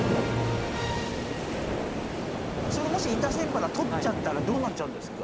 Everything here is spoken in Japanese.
もしイタセンパラ捕っちゃったらどうなっちゃうんですか？